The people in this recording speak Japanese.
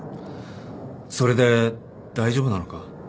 それで大丈夫なのか？